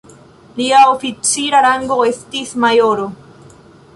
Lia oficira rango estis majoro.